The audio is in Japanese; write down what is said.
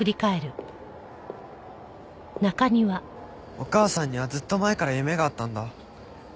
お母さんにはずっと前から夢があったんだ。